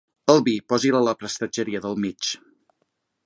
El vi, posi'l a la prestatgeria del mig.